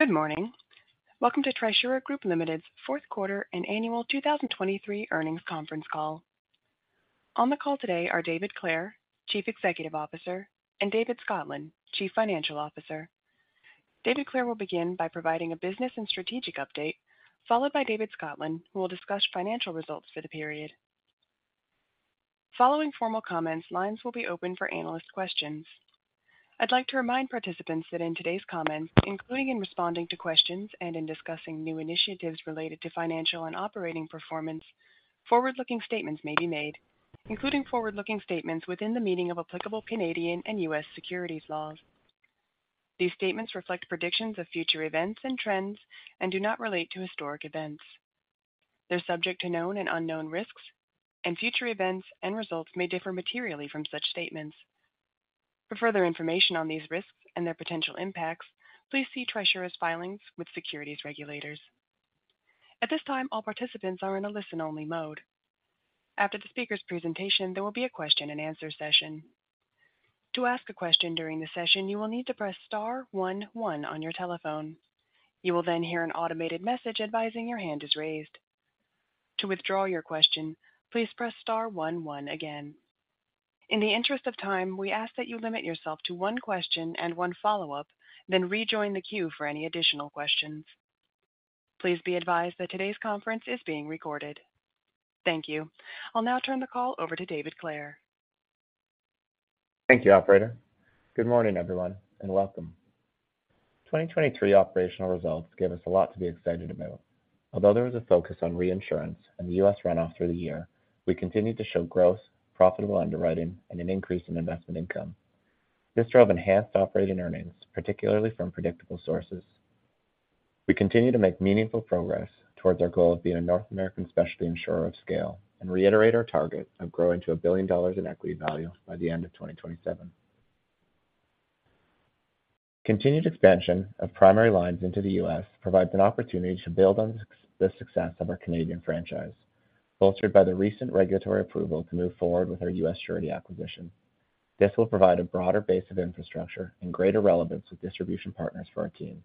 Good morning. Welcome to Trisura Group Ltd.'s fourth quarter and annual 2023 earnings conference call. On the call today are David Clare, Chief Executive Officer, and David Scotland, Chief Financial Officer. David Clare will begin by providing a business and strategic update, followed by David Scotland, who will discuss financial results for the period. Following formal comments, lines will be open for analyst questions. I'd like to remind participants that in today's comments, including in responding to questions and in discussing new initiatives related to financial and operating performance, forward-looking statements may be made, including forward-looking statements within the meaning of applicable Canadian and U.S. securities laws. These statements reflect predictions of future events and trends and do not relate to historic events. They're subject to known and unknown risks, and future events and results may differ materially from such statements. For further information on these risks and their potential impacts, please see Trisura's filings with securities regulators. At this time, all participants are in a listen-only mode. After the speaker's presentation, there will be a Q&A session. To ask a question during the session, you will need to press star one one on your telephone. You will then hear an automated message advising your hand is raised. To withdraw your question, please press star one one again. In the interest of time, we ask that you limit yourself to one question and one follow-up, then rejoin the queue for any additional questions. Please be advised that today's conference is being recorded. Thank you. I'll now turn the call over to David Clare. Thank you, operator. Good morning, everyone, and welcome. 2023 operational results gave us a lot to be excited about. Although there was a focus on reinsurance and the U.S. runoff through the year, we continued to show growth, profitable underwriting, and an increase in investment income. This drove enhanced operating earnings, particularly from predictable sources. We continue to make meaningful progress towards our goal of being a North American specialty insurer of scale and reiterate our target of growing to 1 billion dollars in equity value by the end of 2027. Continued expansion of primary lines into the U.S. provides an opportunity to build on the success of our Canadian franchise, bolstered by the recent regulatory approval to move forward with our U.S. surety acquisition. This will provide a broader base of infrastructure and greater relevance with distribution partners for our team.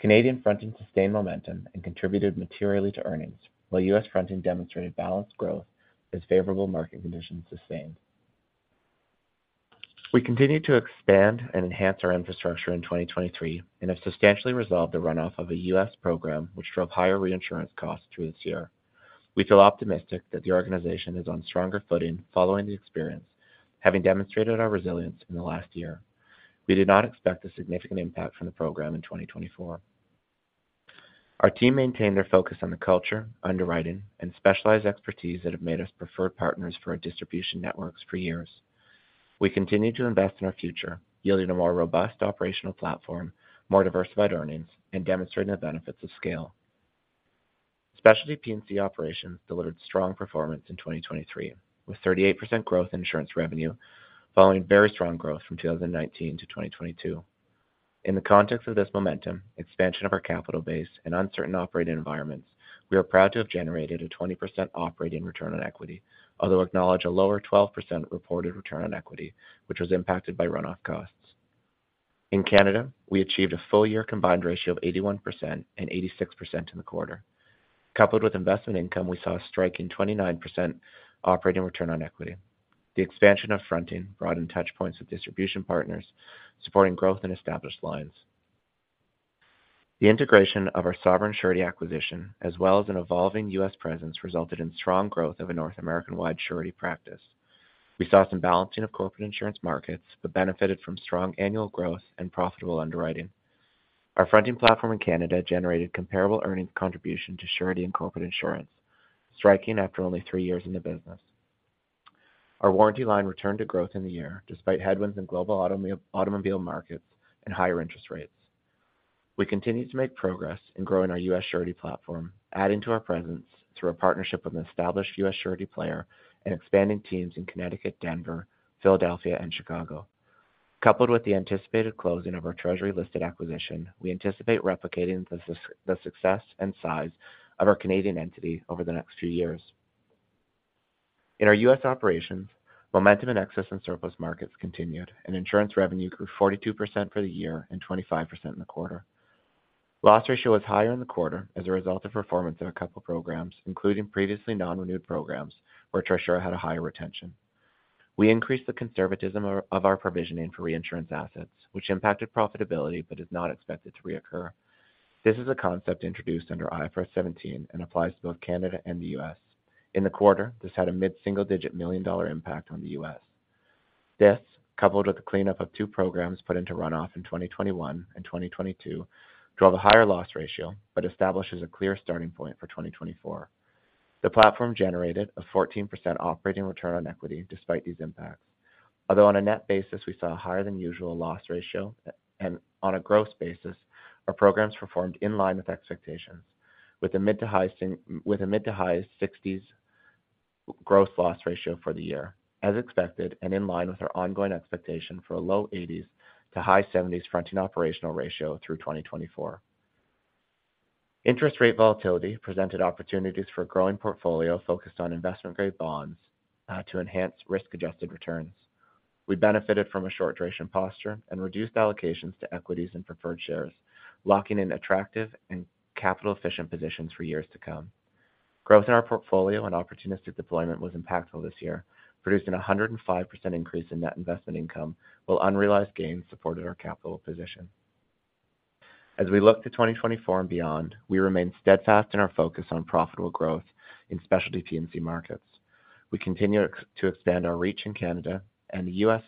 Canadian fronting sustained momentum and contributed materially to earnings, while U.S. fronting demonstrated balanced growth as favorable market conditions sustained. We continue to expand and enhance our infrastructure in 2023 and have substantially resolved the runoff of a U.S. program which drove higher reinsurance costs through this year. We feel optimistic that the organization is on stronger footing following the experience, having demonstrated our resilience in the last year. We did not expect a significant impact from the program in 2024. Our team maintained their focus on the culture, underwriting, and specialized expertise that have made us preferred partners for our distribution networks for years. We continue to invest in our future, yielding a more robust operational platform, more diversified earnings, and demonstrating the benefits of scale. Specialty P&C operations delivered strong performance in 2023, with 38% growth in insurance revenue following very strong growth from 2019 to 2022. In the context of this momentum, expansion of our capital base, and uncertain operating environments, we are proud to have generated a 20% operating return on equity, although acknowledge a lower 12% reported return on equity, which was impacted by runoff costs. In Canada, we achieved a full-year combined ratio of 81% and 86% in the quarter. Coupled with investment income, we saw a striking 29% operating return on equity. The expansion of fronting broadened touchpoints with distribution partners, supporting growth in established lines. The integration of our Sovereign surety acquisition, as well as an evolving U.S. presence, resulted in strong growth of a North American-wide surety practice. We saw some balancing of corporate insurance markets but benefited from strong annual growth and profitable underwriting. Our fronting platform in Canada generated comparable earnings contribution to surety and corporate insurance, striking after only three years in the business. Our warranty line returned to growth in the year despite headwinds in global automobile markets and higher interest rates. We continue to make progress in growing our U.S. surety platform, adding to our presence through a partnership with an established U.S. surety player and expanding teams in Connecticut, Denver, Philadelphia, and Chicago. Coupled with the anticipated closing of our Treasury-listed acquisition, we anticipate replicating the success and size of our Canadian entity over the next few years. In our U.S. operations, momentum in excess and surplus markets continued, and insurance revenue grew 42% for the year and 25% in the quarter. Loss ratio was higher in the quarter as a result of performance of a couple of programs, including previously non-renewed programs where Trisura had a higher retention. We increased the conservatism of our provisioning for reinsurance assets, which impacted profitability but is not expected to reoccur. This is a concept introduced under IFRS 17 and applies to both Canada and the U.S. In the quarter, this had a mid-single-digit million-dollar impact on the U.S. This, coupled with the cleanup of two programs put into runoff in 2021 and 2022, drove a higher loss ratio but establishes a clear starting point for 2024. The platform generated a 14% operating return on equity despite these impacts. Although on a net basis, we saw a higher than usual loss ratio, and on a gross basis, our programs performed in line with expectations, with a mid- to high-60s gross loss ratio for the year, as expected, and in line with our ongoing expectation for a low-80s to high-70s fronting operational ratio through 2024. Interest rate volatility presented opportunities for a growing portfolio focused on investment-grade bonds to enhance risk-adjusted returns. We benefited from a short-duration posture and reduced allocations to equities and preferred shares, locking in attractive and capital-efficient positions for years to come. Growth in our portfolio and opportunistic deployment was impactful this year, producing a 105% increase in net investment income while unrealized gains supported our capital position. As we look to 2024 and beyond, we remain steadfast in our focus on profitable growth in Specialty P&C markets. We continue to expand our reach in Canada and the U.S.,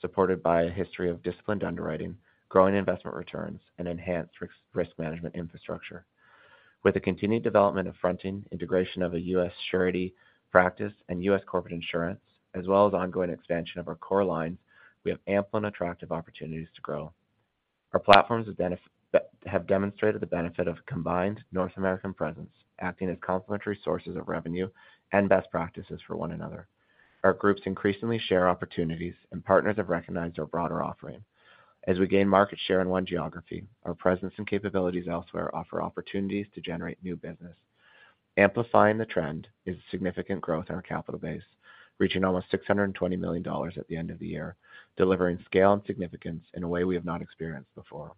supported by a history of disciplined underwriting, growing investment returns, and enhanced risk management infrastructure. With the continued development of fronting integration of a U.S. surety practice and U.S. corporate insurance, as well as ongoing expansion of our core lines, we have ample and attractive opportunities to grow. Our platforms have demonstrated the benefit of a combined North American presence, acting as complementary sources of revenue and best practices for one another. Our groups increasingly share opportunities, and partners have recognized our broader offering. As we gain market share in one geography, our presence and capabilities elsewhere offer opportunities to generate new business. Amplifying the trend is significant growth in our capital base, reaching almost 620 million dollars at the end of the year, delivering scale and significance in a way we have not experienced before.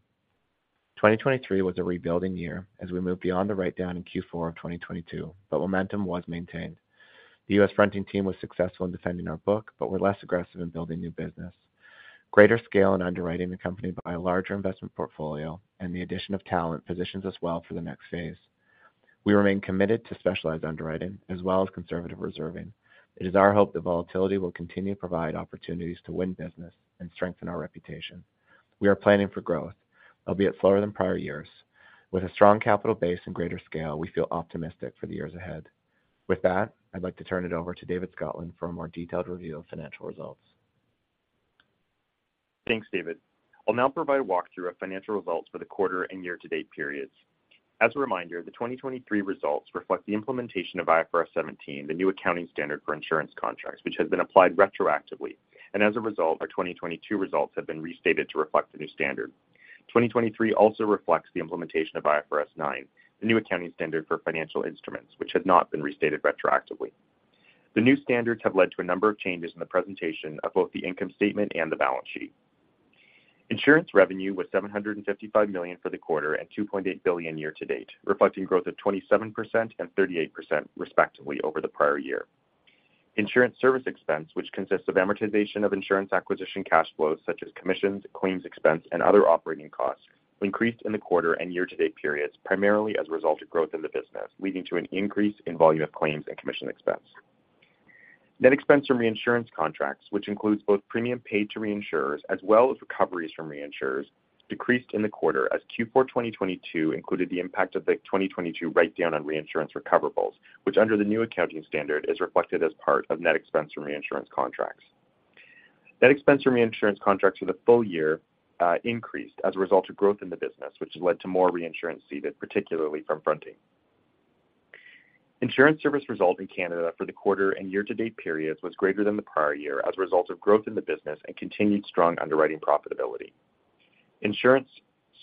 2023 was a rebuilding year as we moved beyond the write-down in Q4 of 2022, but momentum was maintained. The U.S. fronting team was successful in defending our book, but were less aggressive in building new business. Greater scale and underwriting accompanied by a larger investment portfolio and the addition of talent positions us well for the next phase. We remain committed to specialized underwriting as well as conservative reserving. It is our hope that volatility will continue to provide opportunities to win business and strengthen our reputation. We are planning for growth, albeit slower than prior years. With a strong capital base and greater scale, we feel optimistic for the years ahead. With that, I'd like to turn it over to David Scotland for a more detailed review of financial results. Thanks, David. I'll now provide a walkthrough of financial results for the quarter and year-to-date periods. As a reminder, the 2023 results reflect the implementation of IFRS 17, the new accounting standard for insurance contracts, which has been applied retroactively, and as a result, our 2022 results have been restated to reflect the new standard. 2023 also reflects the implementation of IFRS 9, the new accounting standard for financial instruments, which has not been restated retroactively. The new standards have led to a number of changes in the presentation of both the income statement and the balance sheet. Insurance revenue was CAD 755 million for the quarter and CAD 2.8 billion year-to-date, reflecting growth of 27% and 38%, respectively, over the prior year. Insurance service expense, which consists of amortization of insurance acquisition cash flows such as commissions, claims expense, and other operating costs, increased in the quarter and year-to-date periods primarily as a result of growth in the business, leading to an increase in volume of claims and commission expense. Net expense from reinsurance contracts, which includes both premium paid to reinsurers as well as recoveries from reinsurers, decreased in the quarter as Q4 2022 included the impact of the 2022 write-down on reinsurance recoverables, which under the new accounting standard is reflected as part of net expense from reinsurance contracts. Net expense from reinsurance contracts for the full year increased as a result of growth in the business, which has led to more reinsurance ceded, particularly from fronting. Insurance service result in Canada for the quarter and year-to-date periods was greater than the prior year as a result of growth in the business and continued strong underwriting profitability. Insurance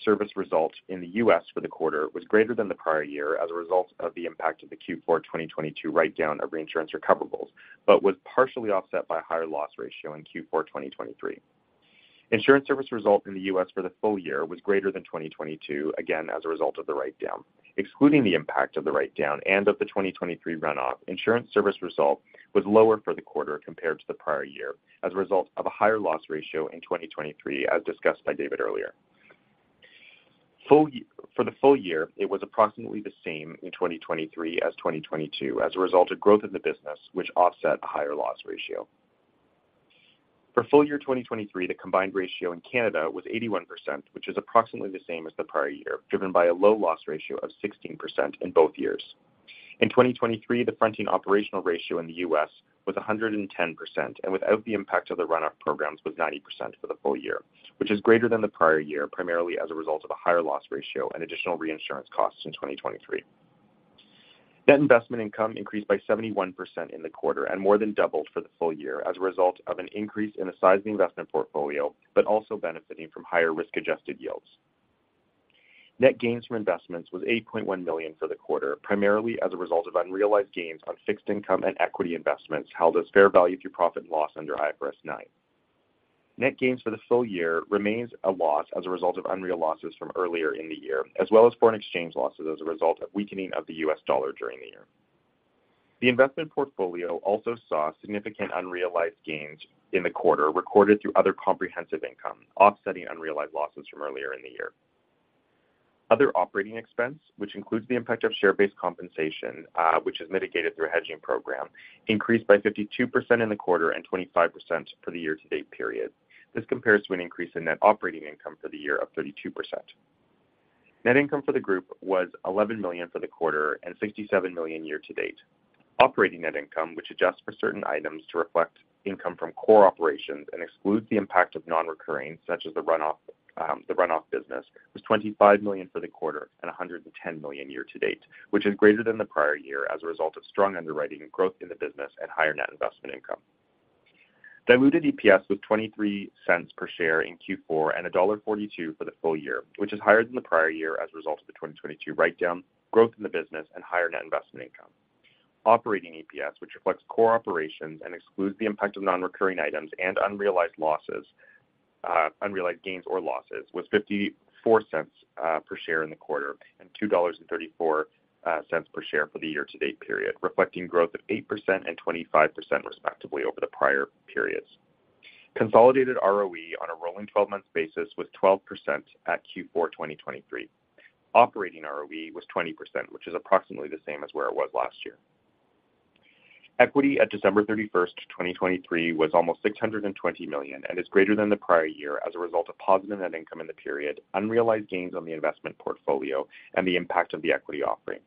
service result in the U.S. for the quarter was greater than the prior year as a result of the impact of the Q4 2022 write-down of reinsurance recoverables, but was partially offset by a higher loss ratio in Q4 2023. Insurance service result in the U.S. for the full year was greater than 2022, again as a result of the write-down. Excluding the impact of the write-down and of the 2023 runoff, insurance service result was lower for the quarter compared to the prior year as a result of a higher loss ratio in 2023, as discussed by David earlier. For the full year, it was approximately the same in 2023 as 2022 as a result of growth in the business, which offset a higher loss ratio. For full year 2023, the combined ratio in Canada was 81%, which is approximately the same as the prior year, driven by a low loss ratio of 16% in both years. In 2023, the fronting operational ratio in the U.S. was 110%, and without the impact of the runoff programs, was 90% for the full year, which is greater than the prior year primarily as a result of a higher loss ratio and additional reinsurance costs in 2023. Net investment income increased by 71% in the quarter and more than doubled for the full year as a result of an increase in the size of the investment portfolio but also benefiting from higher risk-adjusted yields. Net gains from investments was 8.1 million for the quarter, primarily as a result of unrealized gains on fixed income and equity investments held as fair value through profit and loss under IFRS 9. Net gains for the full year remains a loss as a result of unrealized losses from earlier in the year, as well as foreign exchange losses as a result of weakening of the US dollar during the year. The investment portfolio also saw significant unrealized gains in the quarter recorded through other comprehensive income, offsetting unrealized losses from earlier in the year. Other operating expense, which includes the impact of share-based compensation, which is mitigated through a hedging program, increased by 52% in the quarter and 25% for the year-to-date period. This compares to an increase in net operating income for the year of 32%. Net income for the group was 11 million for the quarter and 67 million year-to-date. Operating net income, which adjusts for certain items to reflect income from core operations and excludes the impact of non-recurring such as the runoff business, was 25 million for the quarter and 110 million year-to-date, which is greater than the prior year as a result of strong underwriting, growth in the business, and higher net investment income. Diluted EPS was 0.23 per share in Q4 and dollar 1.42 for the full year, which is higher than the prior year as a result of the 2022 write-down, growth in the business, and higher net investment income. Operating EPS, which reflects core operations and excludes the impact of non-recurring items and unrealized gains or losses, was 0.54 per share in the quarter and 2.34 dollars per share for the year-to-date period, reflecting growth of 8% and 25%, respectively, over the prior periods. Consolidated ROE on a rolling 12-month basis was 12% at Q4 2023. Operating ROE was 20%, which is approximately the same as where it was last year. Equity at December 31st, 2023, was almost 620 million and is greater than the prior year as a result of positive net income in the period, unrealized gains on the investment portfolio, and the impact of the equity offering.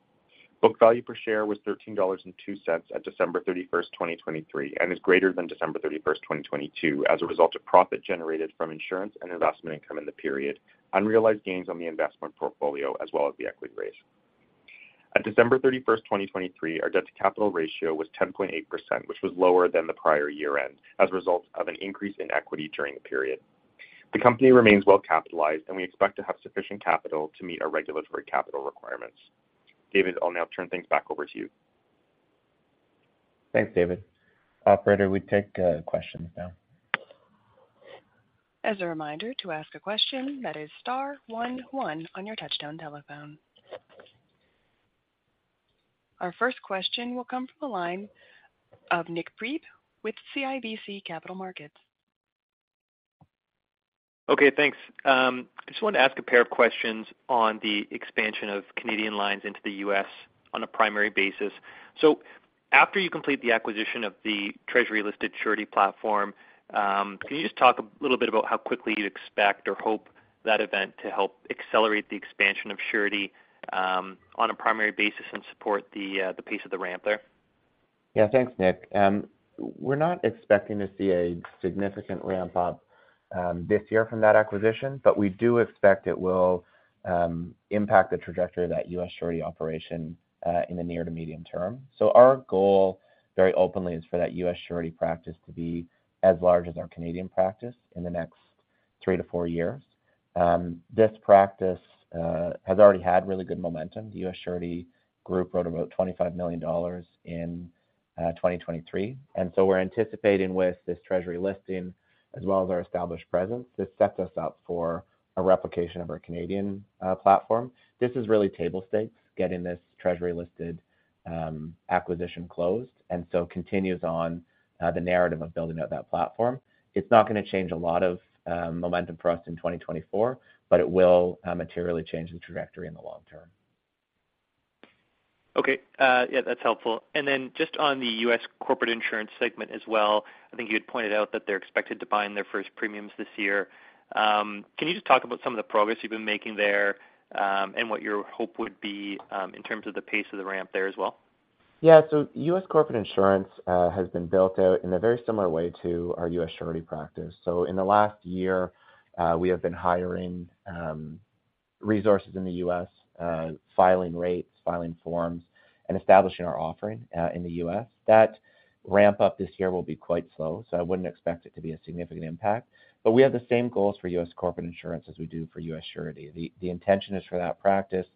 Book value per share was 13.02 dollars at December 31st, 2023, and is greater than December 31st, 2022, as a result of profit generated from insurance and investment income in the period, unrealized gains on the investment portfolio, as well as the equity raise. At December 31st, 2023, our debt to capital ratio was 10.8%, which was lower than the prior year-end as a result of an increase in equity during the period. The company remains well capitalized, and we expect to have sufficient capital to meet our regulatory capital requirements. David, I'll now turn things back over to you. Thanks, David. Operator, we take questions now. As a reminder, to ask a question, that is star one one on your touch-tone telephone. Our first question will come from a line of Nik Priebe with CIBC Capital Markets. Okay, thanks. I just want to ask a pair of questions on the expansion of Canadian lines into the U.S. on a primary basis. So after you complete the acquisition of the Treasury-listed surety platform, can you just talk a little bit about how quickly you expect or hope that event to help accelerate the expansion of surety on a primary basis and support the pace of the ramp there? Yeah, thanks, Nik. We're not expecting to see a significant ramp-up this year from that acquisition, but we do expect it will impact the trajectory of that U.S. surety operation in the near to medium term. So our goal, very openly, is for that U.S. surety practice to be as large as our Canadian practice in the next three to four years. This practice has already had really good momentum. The U.S. surety group wrote about $25 million in 2023. And so we're anticipating with this Treasury listing as well as our established presence, this sets us up for a replication of our Canadian platform. This is really table stakes, getting this Treasury-listed acquisition closed and so continues on the narrative of building out that platform. It's not going to change a lot of momentum for us in 2024, but it will materially change the trajectory in the long term. Okay. Yeah, that's helpful. And then just on the U.S. corporate insurance segment as well, I think you had pointed out that they're expected to bind their first premiums this year. Can you just talk about some of the progress you've been making there and what your hope would be in terms of the pace of the ramp there as well? Yeah. So U.S. corporate insurance has been built out in a very similar way to our U.S. surety practice. So in the last year, we have been hiring resources in the U.S., filing rates, filing forms, and establishing our offering in the U.S. That ramp-up this year will be quite slow, so I wouldn't expect it to be a significant impact. But we have the same goals for U.S. corporate insurance as we do for U.S. surety. The intention is for that practice,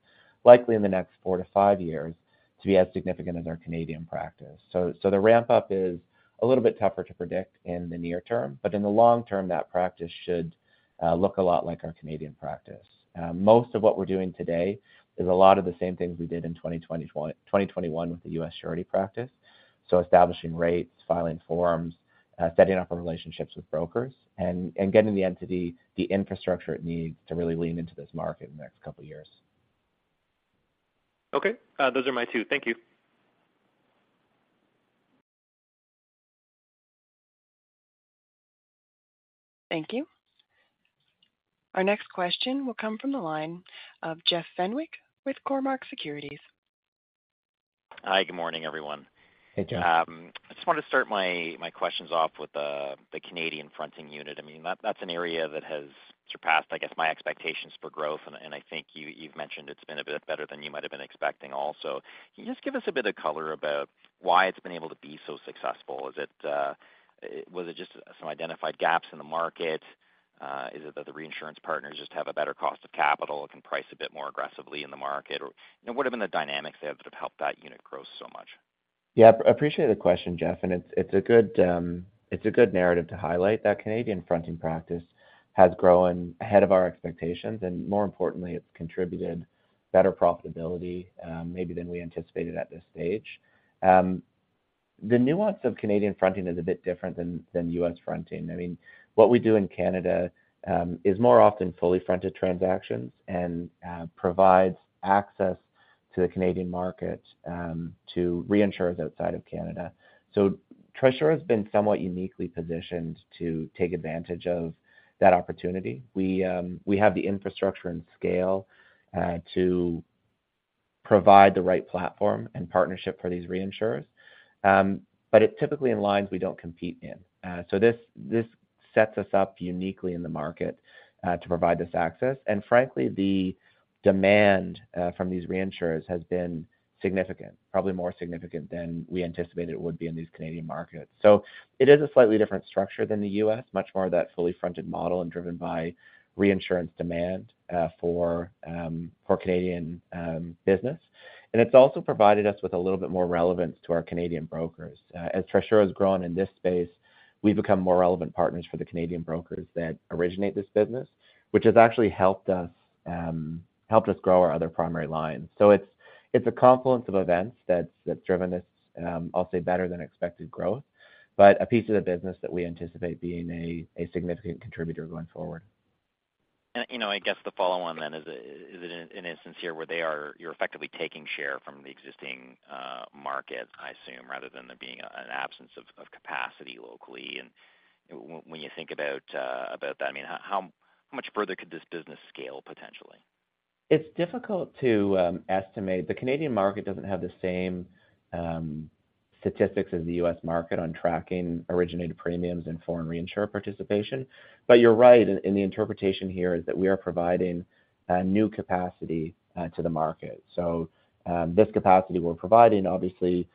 likely in the next four to five years, to be as significant as our Canadian practice. So the ramp-up is a little bit tougher to predict in the near term, but in the long term, that practice should look a lot like our Canadian practice. Most of what we're doing today is a lot of the same things we did in 2021 with the U.S. surety practice. So establishing rates, filing forms, setting up our relationships with brokers, and getting the entity the infrastructure it needs to really lean into this market in the next couple of years. Okay. Those are my two. Thank you. Thank you. Our next question will come from the line of Jeff Fenwick with Cormark Securities. Hi. Good morning, everyone. Hey, Jeff. I just want to start my questions off with the Canadian fronting unit. I mean, that's an area that has surpassed, I guess, my expectations for growth, and I think you've mentioned it's been a bit better than you might have been expecting also. Can you just give us a bit of color about why it's been able to be so successful? Was it just some identified gaps in the market? Is it that the reinsurance partners just have a better cost of capital? It can price a bit more aggressively in the market. What have been the dynamics there that have helped that unit grow so much? Yeah. I appreciate the question, Jeff, and it's a good narrative to highlight. That Canadian fronting practice has grown ahead of our expectations, and more importantly, it's contributed better profitability maybe than we anticipated at this stage. The nuance of Canadian fronting is a bit different than U.S. fronting. I mean, what we do in Canada is more often fully fronting transactions and provides access to the Canadian market to reinsurers outside of Canada. So, Trisura has been somewhat uniquely positioned to take advantage of that opportunity. We have the infrastructure and scale to provide the right platform and partnership for these reinsurers, but it typically aligns we don't compete in. So this sets us up uniquely in the market to provide this access. Frankly, the demand from these reinsurers has been significant, probably more significant than we anticipated it would be in these Canadian markets. So it is a slightly different structure than the U.S., much more that fully fronted model and driven by reinsurance demand for Canadian business. And it's also provided us with a little bit more relevance to our Canadian brokers. As Trisura has grown in this space, we've become more relevant partners for the Canadian brokers that originate this business, which has actually helped us grow our other primary lines. So it's a confluence of events that's driven this, I'll say, better than expected growth, but a piece of the business that we anticipate being a significant contributor going forward. I guess the follow-on then is, is it an instance here where you're effectively taking share from the existing market, I assume, rather than there being an absence of capacity locally? When you think about that, I mean, how much further could this business scale potentially? It's difficult to estimate. The Canadian market doesn't have the same statistics as the U.S. market on tracking originated premiums and foreign reinsurer participation. But you're right, and the interpretation here is that we are providing new capacity to the market. So this capacity we're providing, obviously,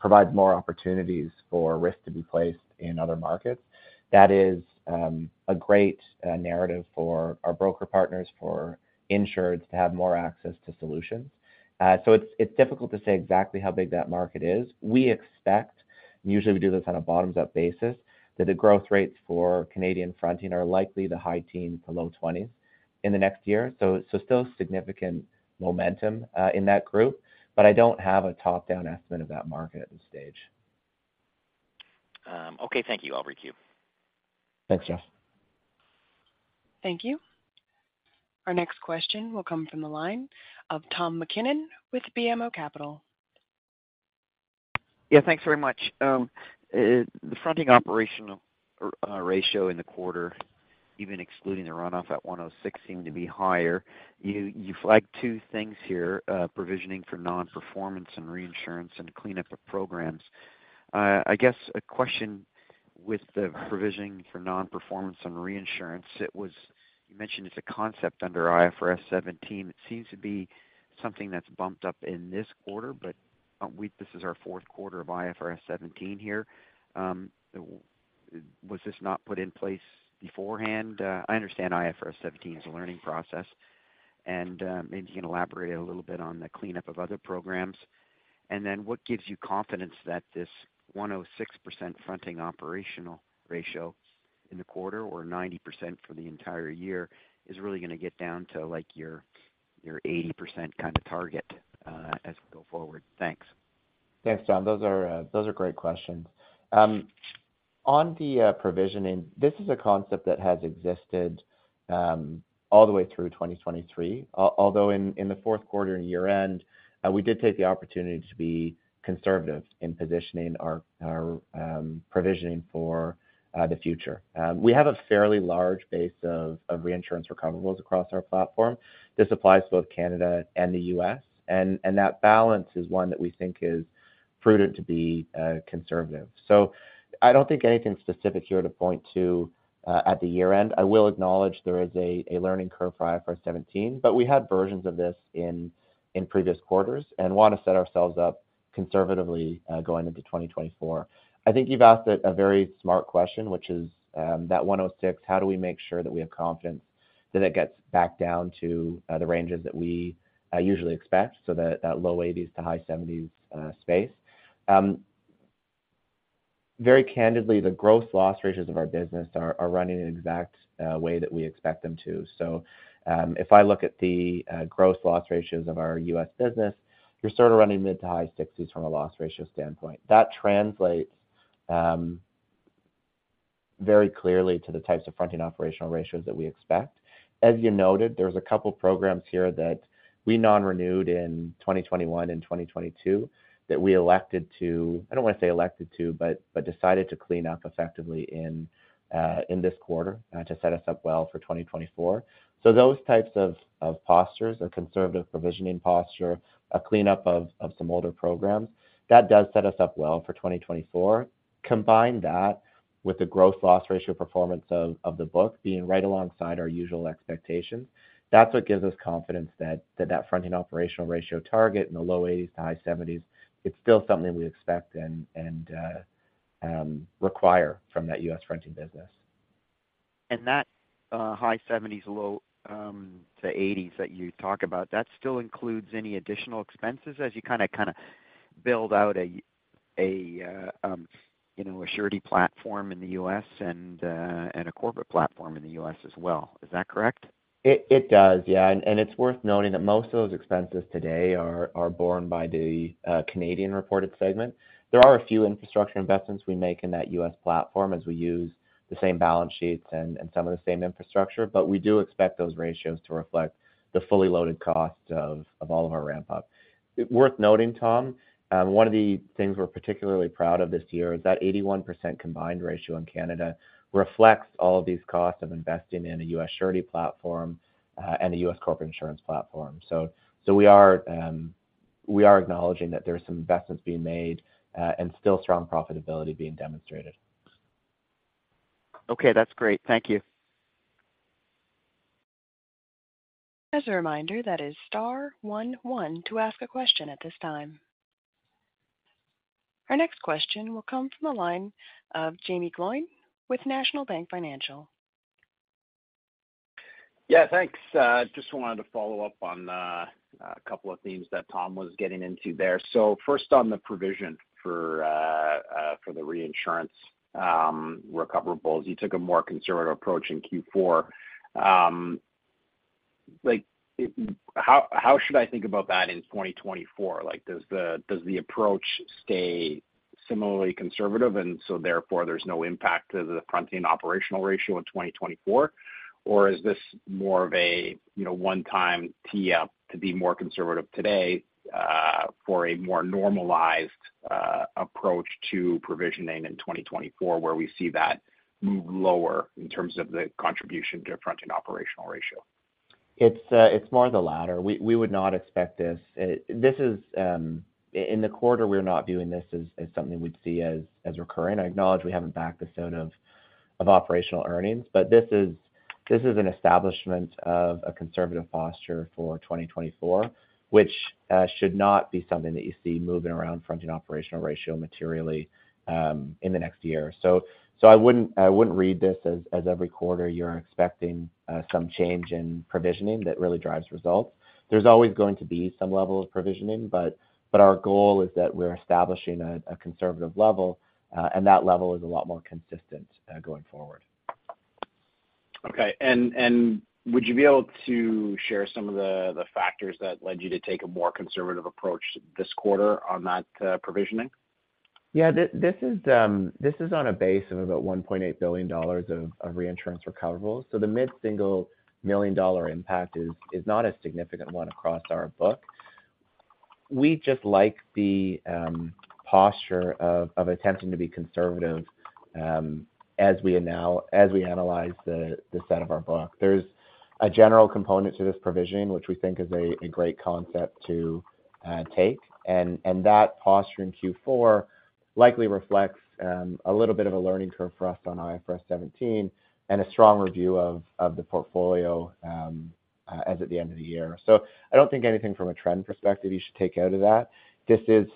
provides more opportunities for risk to be placed in other markets. That is a great narrative for our broker partners, for insureds to have more access to solutions. So it's difficult to say exactly how big that market is. We expect, and usually we do this on a bottoms-up basis, that the growth rates for Canadian fronting are likely the high teens to low 20s in the next year. So still significant momentum in that group, but I don't have a top-down estimate of that market at this stage. Okay. Thank you, Operator. Thanks, Jeff. Thank you. Our next question will come from the line of Tom MacKinnon with BMO Capital. Yeah. Thanks very much. The fronting operational ratio in the quarter, even excluding the runoff at 106%, seemed to be higher. You flagged two things here, provisioning for non-performance and reinsurance and cleanup of programs. I guess a question with the provisioning for non-performance and reinsurance, you mentioned it's a concept under IFRS 17. It seems to be something that's bumped up in this quarter, but this is our fourth quarter of IFRS 17 here. Was this not put in place beforehand? I understand IFRS 17 is a learning process, and maybe you can elaborate a little bit on the cleanup of other programs. And then what gives you confidence that this 106% fronting operational ratio in the quarter or 90% for the entire year is really going to get down to your 80% kind of target as we go forward? Thanks. Thanks, John. Those are great questions. On the provisioning, this is a concept that has existed all the way through 2023, although in the fourth quarter and year-end, we did take the opportunity to be conservative in positioning our provisioning for the future. We have a fairly large base of reinsurance recoverables across our platform. This applies to both Canada and the U.S., and that balance is one that we think is prudent to be conservative. So I don't think anything specific here to point to at the year-end. I will acknowledge there is a learning curve for IFRS 17, but we had versions of this in previous quarters and want to set ourselves up conservatively going into 2024. I think you've asked a very smart question, which is that 106, how do we make sure that we have confidence that it gets back down to the ranges that we usually expect, so that low 80s to high 70s space? Very candidly, the gross loss ratios of our business are running an exact way that we expect them to. So if I look at the gross loss ratios of our U.S. business, you're sort of running mid to high 60s from a loss ratio standpoint. That translates very clearly to the types of fronting operational ratios that we expect. As you noted, there's a couple of programs here that we non-renewed in 2021 and 2022 that we elected to I don't want to say elected to, but decided to clean up effectively in this quarter to set us up well for 2024. So those types of postures, a conservative provisioning posture, a cleanup of some older programs, that does set us up well for 2024. Combine that with the gross loss ratio performance of the book being right alongside our usual expectations, that's what gives us confidence that that fronting operational ratio target in the low 80s to high 70s, it's still something we expect and require from that U.S. fronting business. That high 70s-low 80s that you talk about, that still includes any additional expenses as you kind of build out a surety platform in the U.S. and a corporate platform in the U.S. as well. Is that correct? It does, yeah. And it's worth noting that most of those expenses today are borne by the Canadian reported segment. There are a few infrastructure investments we make in that U.S. platform as we use the same balance sheets and some of the same infrastructure, but we do expect those ratios to reflect the fully loaded costs of all of our ramp-up. Worth noting, Tom, one of the things we're particularly proud of this year is that 81% combined ratio in Canada reflects all of these costs of investing in a U.S. surety platform and a U.S. corporate insurance platform. So we are acknowledging that there are some investments being made and still strong profitability being demonstrated. Okay. That's great. Thank you. As a reminder, that is star one one to ask a question at this time. Our next question will come from the line of Jaeme Gloyn with National Bank Financial. Yeah. Thanks. Just wanted to follow up on a couple of themes that Tom was getting into there. So first, on the provision for the reinsurance recoverables, you took a more conservative approach in Q4. How should I think about that in 2024? Does the approach stay similarly conservative and so therefore there's no impact to the fronting operational ratio in 2024, or is this more of a one-time tee-up to be more conservative today for a more normalized approach to provisioning in 2024 where we see that move lower in terms of the contribution to the fronting operational ratio? It's more the latter. We would not expect this. In the quarter, we're not viewing this as something we'd see as recurring. I acknowledge we haven't backed this out of operational earnings, but this is an establishment of a conservative posture for 2024, which should not be something that you see moving around fronting operational ratio materially in the next year. So I wouldn't read this as every quarter you're expecting some change in provisioning that really drives results. There's always going to be some level of provisioning, but our goal is that we're establishing a conservative level, and that level is a lot more consistent going forward. Okay. And would you be able to share some of the factors that led you to take a more conservative approach this quarter on that provisioning? Yeah. This is on a base of about 1.8 billion dollars of reinsurance recoverables. So the mid-single million dollar impact is not a significant one across our book. We just like the posture of attempting to be conservative as we analyze the set of our book. There's a general component to this provisioning, which we think is a great concept to take. And that posture in Q4 likely reflects a little bit of a learning curve for us on IFRS 17 and a strong review of the portfolio as at the end of the year. So I don't think anything from a trend perspective you should take out of that. This has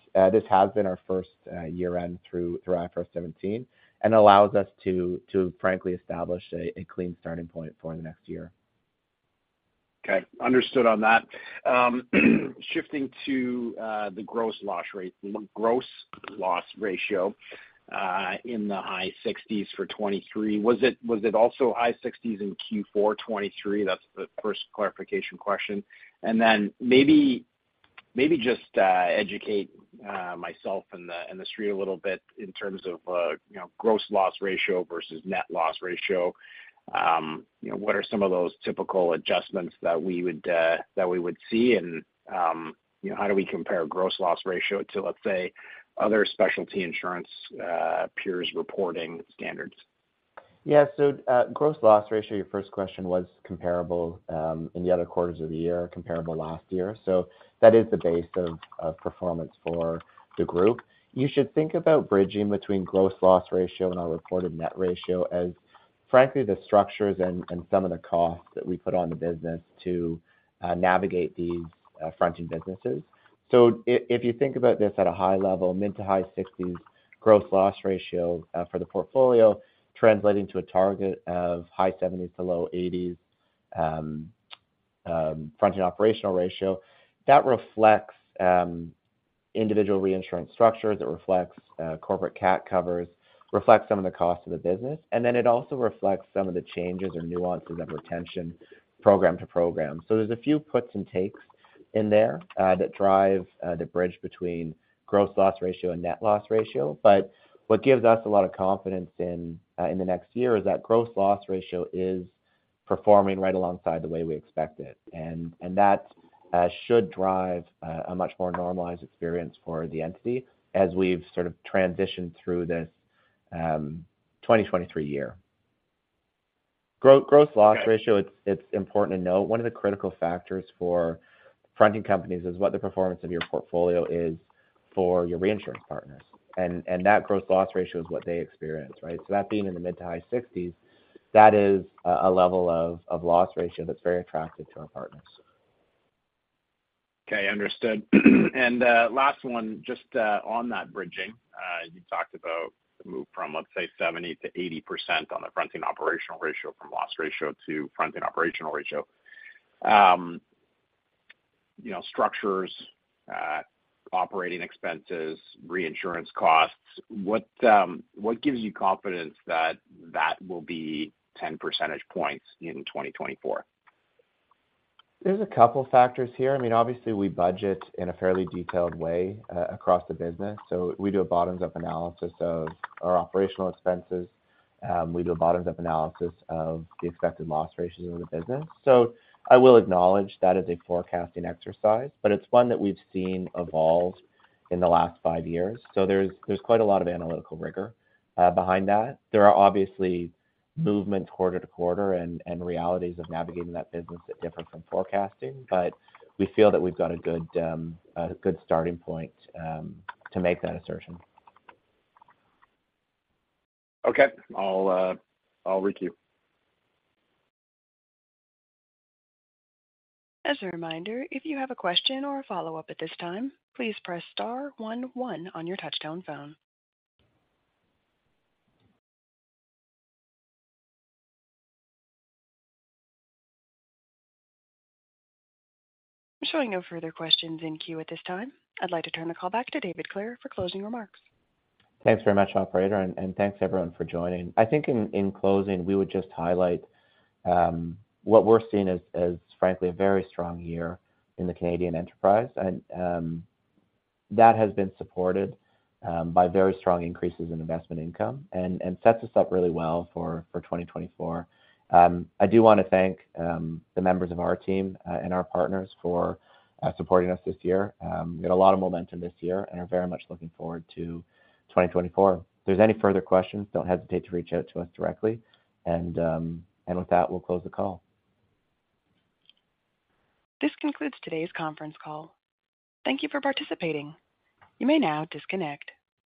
been our first year-end through IFRS 17 and allows us to, frankly, establish a clean starting point for the next year. Okay. Understood on that. Shifting to the gross loss rate, the gross loss ratio in the high 60s for 2023, was it also high 60s in Q4 2023? That's the first clarification question. And then maybe just educate myself and the street a little bit in terms of gross loss ratio versus net loss ratio. What are some of those typical adjustments that we would see, and how do we compare gross loss ratio to, let's say, other specialty insurance peers' reporting standards? Yeah. So Gross Loss Ratio, your first question was comparable in the other quarters of the year, comparable last year. So that is the base of performance for the group. You should think about bridging between Gross Loss Ratio and our reported net ratio as, frankly, the structures and some of the costs that we put on the business to navigate these fronting businesses. So if you think about this at a high level, mid- to high-60s Gross Loss Ratio for the portfolio translating to a target of high-70s to low-80s fronting operational ratio, that reflects individual reinsurance structures. It reflects corporate CAT covers, reflects some of the costs of the business, and then it also reflects some of the changes or nuances of retention program to program. So there's a few puts and takes in there that drive the bridge between Gross Loss Ratio and net loss ratio. But what gives us a lot of confidence in the next year is that Gross Loss Ratio is performing right alongside the way we expect it, and that should drive a much more normalized experience for the entity as we've sort of transitioned through this 2023 year. Gross Loss Ratio, it's important to note, one of the critical factors for fronting companies is what the performance of your portfolio is for your reinsurance partners. And that Gross Loss Ratio is what they experience, right? So that being in the mid- to high-60s, that is a level of loss ratio that's very attractive to our partners. Okay. Understood. Last one, just on that bridging, you talked about the move from, let's say, 70%-80% on the fronting operational ratio from loss ratio to fronting operational ratio. Structures, operating expenses, reinsurance costs, what gives you confidence that that will be 10 percentage points in 2024? There's a couple of factors here. I mean, obviously, we budget in a fairly detailed way across the business. So we do a bottoms-up analysis of our operational expenses. We do a bottoms-up analysis of the expected loss ratios of the business. So I will acknowledge that is a forecasting exercise, but it's one that we've seen evolve in the last five years. So there's quite a lot of analytical rigor behind that. There are obviously movements quarter-to-quarter and realities of navigating that business that differ from forecasting, but we feel that we've got a good starting point to make that assertion. Okay. Operator. As a reminder, if you have a question or a follow-up at this time, please press star one one on your touch-tone phone. I'm showing no further questions in queue at this time. I'd like to turn the call back to David Clare for closing remarks. Thanks very much, operator, and thanks, everyone, for joining. I think in closing, we would just highlight what we're seeing as, frankly, a very strong year in the Canadian enterprise. And that has been supported by very strong increases in investment income and sets us up really well for 2024. I do want to thank the members of our team and our partners for supporting us this year. We had a lot of momentum this year and are very much looking forward to 2024. If there's any further questions, don't hesitate to reach out to us directly. And with that, we'll close the call. This concludes today's conference call. Thank you for participating. You may now disconnect.